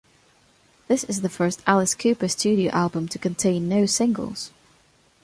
This is the first Alice Cooper studio album to contain no singles.